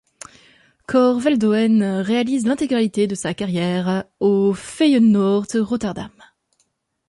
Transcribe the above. Cor Veldhoen réalise l'intégralité de sa carrière au Feyenoord Rotterdam.